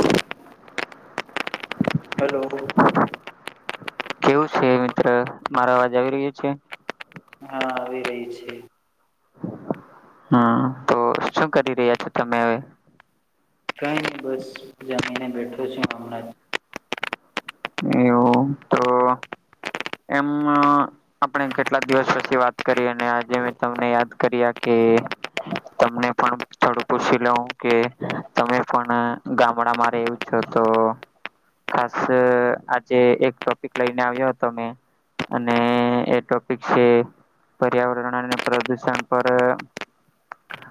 [inaudible] Hello. કેવું છે મિત્ર? મારો અવાજ આવી રહ્યો છે? હા આવી રહી છે. હ તો શું કરી રહ્યા છો તમે હવે? કાંઈ ની બસ જમીને બેઠો છું હમણાં જ. એવું તો એમ આપણે કેટલા દિવસ પછી વાત કરી અને આજે મેં તમને યાદ કરીયા કે તમને પણ થોડું પૂછી લઉં કે તમે પણ ગામડામાં રેવું છો તો ખાસ આજે એક ટોપિક લઈને આવ્યો તો મેં અને એ ટોપિક છે. પર્યાવરણ અને પ્રદૂષણ પર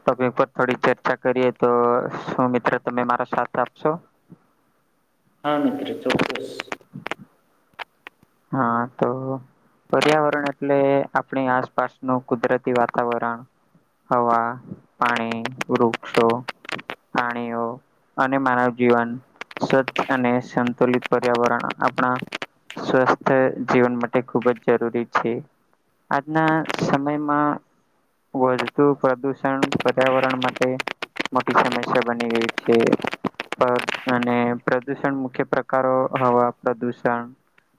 ટોપિક પર થોડી ચર્ચા કરીએ તો શું મિત્ર તમે મારો સાથ આપશો? હા મિત્ર ચોક્કસ. હ હ તો પર્યાવરણ એટલે આપણી આસપાસનું કુદરતી વાતાવરણ હવા, પાણી, વૃક્ષો, પ્રાણીઓ અને માનવ જીવન સ્વચ્છ અને સંતુલિત પર્યાવરણ આપણા સ્વસ્થ તે જીવન માટે ખૂબ જ જરૂરી છે. આજના સમયમાં વધતું પ્રદુષણ પર્યાવરણ માટે મોટી સમસ્યા બની ગઈ છે. પ અને પ્રદુષણ મુખ્ય પ્રકારો હવા પ્રદુષણ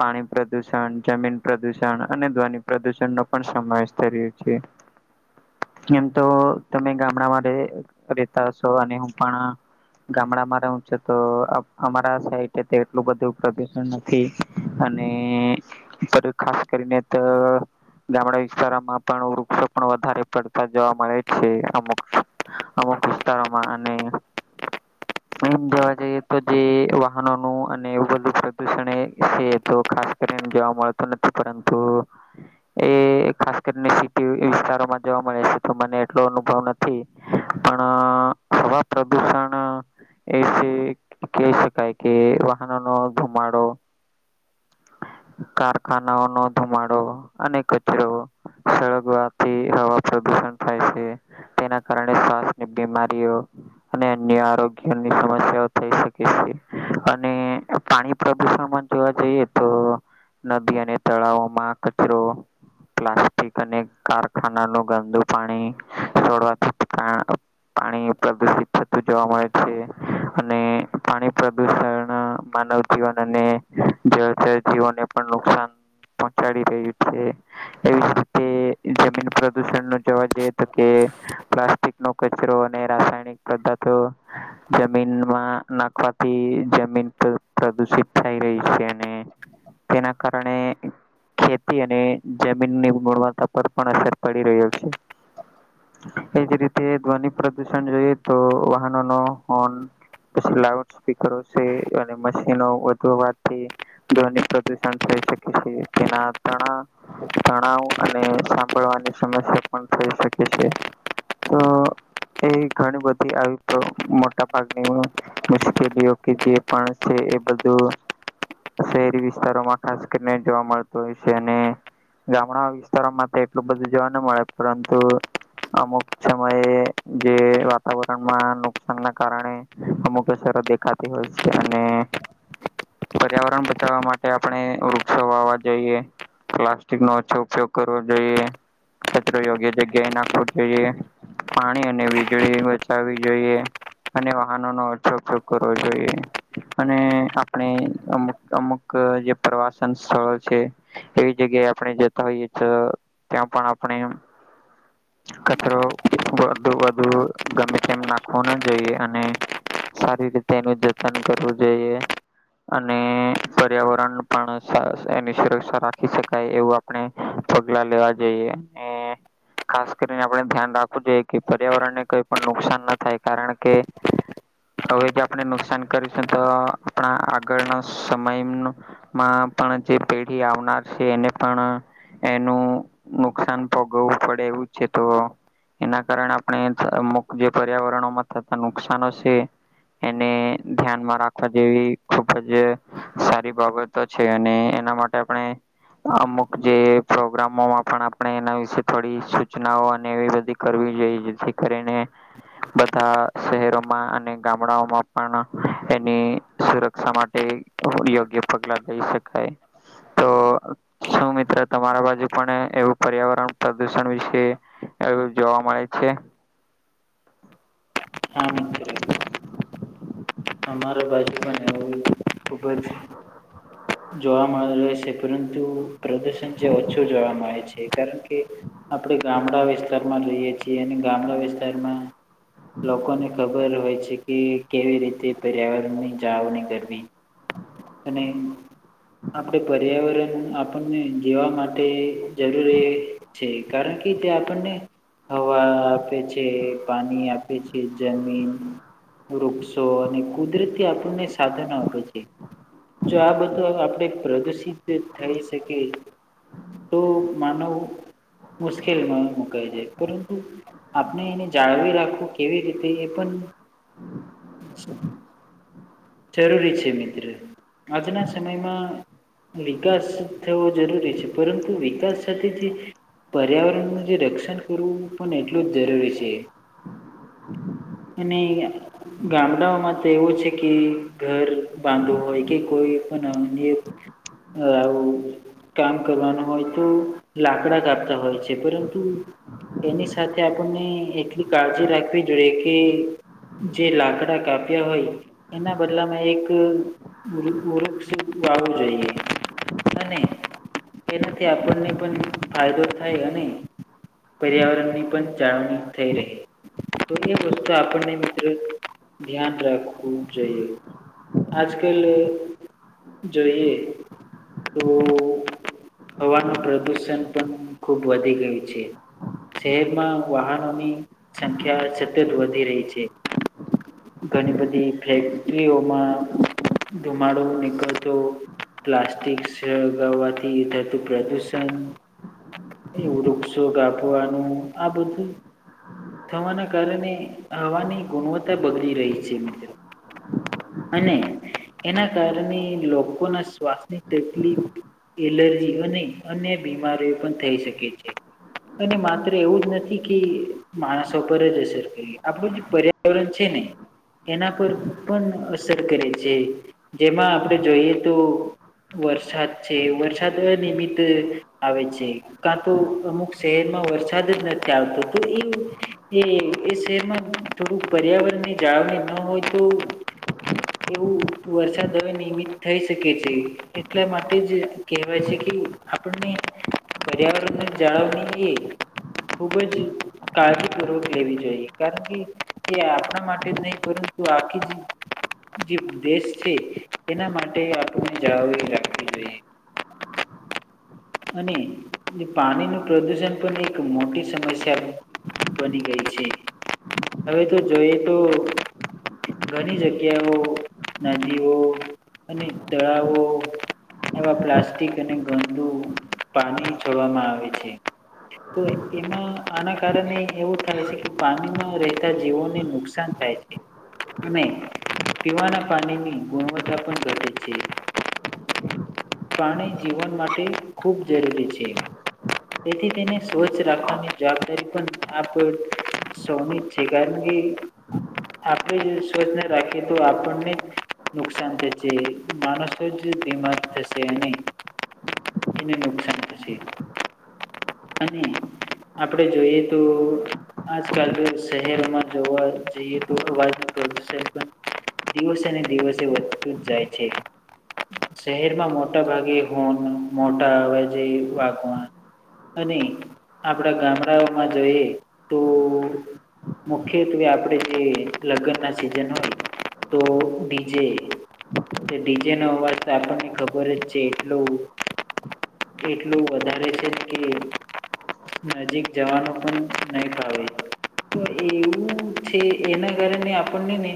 પાણી પ્રદુષણ, જમીન પ્રદુષણ અને ધ્વનિ પ્રદુષણ નો પણ સમાવેશ કર્યો છે. [inaudible] એમ તો તમે ગામડામાં રે રેતા હશો અને હું પણ ગામડામાં રહું છું તો અ અમારા સાઈટે તે એટલું બધું પ્રદુષણ નથી. અને અત્યારે ખાસ કરીને તો ગામડા વિસ્તારોમાં પણ વૃક્ષો પણ વધારે પડતા જોવા મળે છે અમુક અમુક વિસ્તારોમાં અને એમ જોવા જઈએ તો જે વાહનોનું અને એવું બધું પ્રદુષણ એ સે તો ખાસ કરીને જોવા મળતો નથી પરંતુ એ ખાસ કરીને સિટી વિસ્તારોમાં જોવા મળે છે તો મને એટલો અનુભવ નથી. પણ હવા પ્રદુષણ એ કહી શકાય કે વાહનો નો ધુમાડો કારખાનાઓ નો ધુમાડો અને કચરો સળગવાથી હવા પ્રદુષણ થાય સે. તેના કારણે શ્વાસની બીમારીઓ અને અન્ય આરોગ્યની સમસ્યાઓ થઈ શકે છે. અને પાણી પ્રદુષણ મન જોવા જઈએ તો નદી અને તળાવોમાં કચરો પ્લાસ્ટિક અને કારખાનાનું ગંદુ પાણી છોડવાથી પ્રા પાણી પ્રદુષિત થતું જોવા મળે છે, અને પાણી પ્રદુષણ માનવ જીવન અને જળ એ જ જીવન એ પણ નુકસાન પહોચાડી રહ્યું છે, એવી જ રીતે જમીન પ્રદુષણનું જોવા જઈએ તો કે પ્લાસ્ટિકનો કચરો અને રાસાયણિક પદ્ધાતો જમીનમાં નાખવાથી જમીન પ્ર પ્રદુષિત થઈ રહી છે, અને તેના કારણે ખેતી અને જમીનની ગુણવત્તા પર પણ અસર પડી રહ્યો છે. એજ રીતે ધ્વનિ પ્રદુષણ જોઈએ તો વાહનોનો હોર્ન પછી લાઉડ સ્પીકરો છે, અને મશીનો વધવાથી ધ્વનિ પ્રદુષણ થઈ શકે છે, તેના તણા તણાવ અને સાંભળવાની સમસ્યા પણ થઈ શકે છે. તો એ ઘણી બધી આવી પર મોટા ભાગની મુશ્કેલીઓ કે જે પણ છે, એ બધું શહેરી વિસ્તારોમાં ખાસ કરીને જોવા મળતું હોય છે, અને ગામડાં વિસ્તારોમાં તો એટલું બધું જોવા ન મળે પરંતુ અમુક સમયે જે વાતાવરણમાં નુકસાનના કારણે અમુક સર દેખાતી હોય છે, અને પર્યાવરણ બચાવવા માટે આપણે વૃક્ષો વાવવા જોઈએ પ્લાસ્ટિકનો ઓછો ઉપયોગ કરવો જોઈએ કચરો યોગ્ય જગ્યાએ નાખવો જ જોઈએ પાણી અને વીજળી બચાવવી જોઈએ અને વાહનોનો ઓછો ઉપયોગ કરવો જોઈએ અને અપણે અમુક અમુક જે પ્રવાસન સ્થળ છે. એવી જગ્યાએ આપણે જતા હોઈએ તો ત્યાં પણ આપણે કચરો વધુ વધુ ગમે તેમ નાખવો ના જોઈએ અને સારી રીતે એનું જતન કરવું જોઈએ. અને પર્યાવરણ પણ સા એની સુરક્ષા રાખી શકાય એવું આ પણે પગલા લેવા જઈએ ને ખાસ કરીને આપણે ધ્યાન રાખવું જોઈએ કે પર્યાવરણને કઈ પણ નુક્સાન ન થાય કારણ કે હવે જો આપણે નુકસાન કરીશું તો આપણા આગળના સમય ન માં પણ જે પેઢી આવનાર છે, એને પણ એનું નુકસાન ભોગવવું પડે એવું છે, તો એના કારણે આપણે અમુક જે પર્યાવરણોમાં થતા નુકશનો છે. એને ધ્યાનમાં રાખવા જેવી ખુબ જ સારી બાબતો છે, અને એના માટે આપણે અમુક જે પ્રોગ્રામોમાં પણ આપણે એના વિશે થોડી સૂચનાઓ અને એવી બધી કરવી જોઈએ જેથી કરીને બધા શહેરોમાં અને ગામડાઓમાં પણ એની સુરક્ષા માટે યોગ્ય પગલા લઈ શકાય તો શું મિત્ર તમારા બાજુ પણ એવું પર્યાવરણ પ્રદુષણ વિશે એવું જોવા મળે છે. હા. [unintelligible] અમારા બાજુમાજ એવુ ખુબ જ જોવા મળે છે, પરંતુ પ્રદૂષણ જે ઓછું જોવા મળે છે, કારણ કે આપણેે ગામડા વિસ્તારમાં રઈએ છીએ અને ગામડા વિસ્તારમાં લોકોને ખબર હોય છે. કે કેવી રીતે પર્યાવરણની જાળવણી કરવી અને આપણે પર્યાવરણ આપણને જીવવા માટે જરૂરી છે, કારણ કે તે આપણને હવા આપે છે, પાની આપે છે, જમીન વૃક્ષો અને કુદરતી આપણને સાધનો આપે છે, જો આ બ આપણે પ્રદુષિત થઈ શકી તો માનવ મુશ્કેલમાં મુકાય જાય પરંતુ આપને એને જાળવી રાખું કેવી રીતે એ પન જરૂરી છે, મિત્ર આજના સમયમાં વિકાસ થવો જરૂરી છે, પરંતુ વિકાસ સાથેથી પર્યાવરણનું જે રક્ષણ કરવું પણ એટલું જ જરૂરી છે. અને ગામડાઓમાં તો એવું છે, કે ઘર બાંધવું હોય કે કોઈ [inaudible] કામ કરવાનું હોય તો લાકડા કાપતા હોય છે, પરંતુ એની સાથે આપણને એટલી કાળજી રાખવી જોઈએ કે જે લાકડા કાપ્યા હોય એના બદલામાં એક [unintelligible] વાળું જોઈએ અને તેનાથી આપણને પણ ફાયદો થાય અને પર્યાવરણની પણ જાળવણી થઈ રહે તોની વસ્તુ આપણને મિત્રો ધ્યાન રાખવું જોઈએ આજકલ. જોઈએ. તો હવાનું પ્રદુષણ પણ ખુબ વધી ગયું છે. શહેરમાં વાહનોની સંખ્યા સતત વધી રહી છે. ઘણી બધી ફેક્ટરીઓમાં ધુમાડુની નીકળતો પ્લાસ્ટિક સળગાવવાથી થતું પ્રદુષણ એવું વૃક્ષો કાપવાનું આ બધું થવાના કારણે હવાની ગુણવત્તા બગડી રહી છે, મિત્રો અને એના કારણે લોકોના શ્વાસની તકલીફ એલર્જી અને અન્ય બીમારી પણ થઈ શકે છે. અને માત્ર એવું જ નથી કે માણસો પર જ અસર કરી આપણું જે પર્યાવરણ છે, ને એના પર પણ અસર કરે છે, જેમાં આપણે જોઈએ તો વરસાદ છે, વરસાદ નિમિત્ત આવે છે. કાં તો અમુક શહેરમાં વરસાદ જ નથી આવતો તો એ એ એ શહેરમાં થોડુંક પર્યાવરણની જાળવણી ન હોય તો એવું વરસાદ હવે નિમિ થઈ શકે છે, એટલા માટે જ કહેવાય છે, કે આપણને પર્યાવરણની જાળવણી [unintelligible] ખૂબ જ કાળજીપૂર્વક લેવી જોઈએ કારણ કે તે આપણા માટે જ નહીં પરં તુ આખીજ જે દેશ છે. તેના માટે આપણને જાળવી રાખવી જોઈએ. અને પાણીનું પ્રદૂષણ પણ એક મોટી સમસ્યા બની ગઈ છે, હવે તો જોઈએ તો ઘણી જગ્યાઓ નદીઓ અને તળાવો એવા પ્લાસ્ટિક અને ધ દુ પાણી છોડવામાં આવે છે. તો એમાં આના કારણે એવું થાય છે, કે પાણીમાં રહેતા જીવોને નુકસાન થાય છે. અને પીવાના પાણીની ગુણવત્તા પણ ઘ છે. પ્રાણી જીવન માટે ખૂબ જરૂરી છે. તેથી તેને સ્વચ્છ રાખવાની જવાબદારી પણ આપ. સોમી જીગારપી. આપણે સ્વચ્છને રાખીએ તો આપણને નુકસાન થ છે. માણસ જ બીમાર થશે અને. એને નુકસાન થશે અને આપણેે જોઈએ તો આજકાલ જો શહેરમાં જોવા જઈએ તો અવાજ કરશે. દિવસે ને દિવસે વધતું જ જાય છે. શહેરમાં મોટા ભાગે હોર્ન મોટા અવાજે વાગવા. અને આપડા ગામડાઓમાં જોઈએ તો મુખ્યત્વે આપણેે જે લગ્નના સિઝન હોય. તો બીજે ડીજે નો અવાજ તો આપણને ખબર જ છે એટલો એટલું વધારે છે કે નજીક જવાનો પણ નહીં બહુ તો એવું છે એના કારણે આપણને ને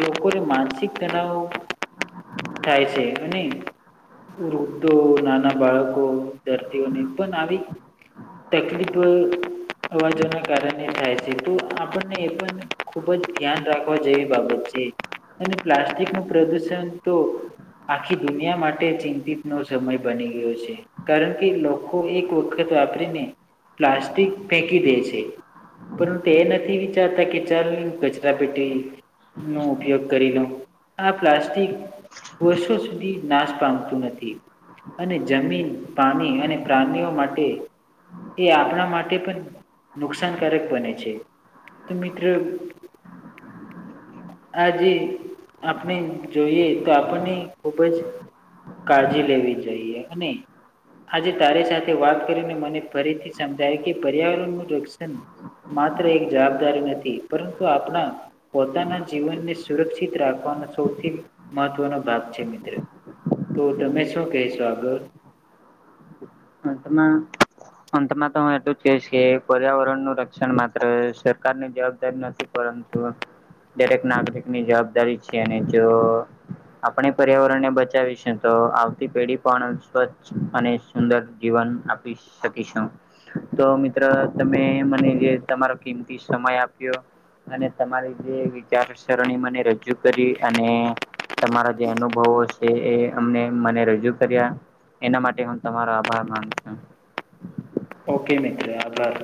લોકોને માનસિક તનાવ થાય છે અને રોક તોક નાના બાળકો દર્દીઓને પણ આવી તકલીફ અવાજોના કારણે થાય છે તો આપણને એ પણ ખુબ જ ધ્યાન રાખવા જેવી બાબત છે. અને પ્લાસ્ટિક નું પ્રદુષણ તો આખી દુનિયા માટે ચિંતિત નો સમય બની ગયો છે કારણ કે લોકો એક વખત વાપરીને પ્લાસ્ટ્ટિક ફેંકી દે છે. પરંતુ એ નથી વિચારતા કે ચાલ કચરા પેટી નો ઉપયોગ કરી લો આ પ્લાસ્ટિક વર્ષો સુધી નાશ પામતું નથી. અને જમીન, પાણી અને પ્રાણીઓ માટે એ આપણા માટે પણ નુકસાનકારક બને છે. તો મિત્ર આજે આપણે જોઈએ તો આપણને ખુબ જ કાળજી લેવી જોઈએ અને આજે તારી સાથે વાત કરીને મને ફરીથી સમજાય કે પર્યાવરણનું રક્ષણ- માત્ર એક જવાબદારી નથી પરંતુ આપણા પોતાના જીવનને સુરક્ષિત રાખવાનો સૌથી મહત્વનો ભાગ છે મિત્ર તો તમે શું કહેશો આગળ? એટમા. અંતમાં તો હું એટલું જ કહીશ કે પર્યાવરણ નું રક્ષણ માત્ર સરકાર ની જવાબદારી નથી. પરંતુ દરેક નાગરિક ની જવાબદારી છે અને જો આપણે પર્યાવરણ ને બચાવીશ તો આવતી પેઢી પણ સ્વચ્છ અને સુંદર જીવન આપી શકીશું. તો મિત્રો તમે મને જે તમારો કિમતી સમય આપ્યો. અને તમારી જે વિચારસરણી મને રજૂ કરી અને તમારા જે અનુભવો છે એ અમને મને રજૂ કર્યા એના માટે હું તમારા બાઈ મા છે ઓકે મિત્ર આધાર